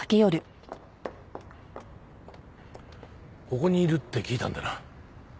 ここにいるって聞いたんでな。